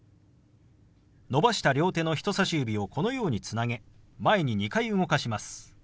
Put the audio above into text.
伸ばした両手の人さし指をこのようにつなげ前に２回動かします。